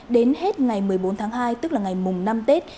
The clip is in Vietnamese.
đến hết ngày một mươi bốn tháng hai tức là ngày mùng năm tết